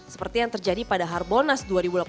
seperti yang terjadi pada harbonas dua ribu delapan belas